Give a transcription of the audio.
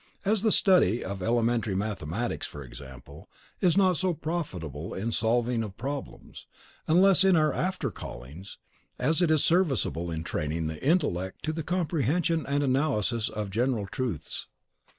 As the study of the elementary mathematics, for example, is not so profitable in the solving of problems, useless in our after callings, as it is serviceable in training the intellect to the comprehension and analysis of general truths.